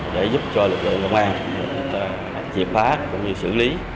để giúp cho lực lượng đồng an dịp phá cũng như xử lý